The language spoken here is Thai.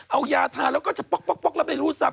เอายาทาแล้วก็จะป๊อกแล้วไปรูดทรัพ